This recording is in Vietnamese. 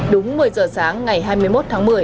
đúng một mươi giờ sáng ngày hai mươi một tháng một mươi